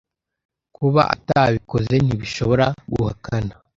Kuba atabikoze ntibishobora guhakana.